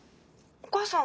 お母さん！